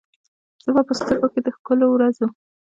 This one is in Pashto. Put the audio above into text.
زه به په سترګو کې، د ښکلو ورځو،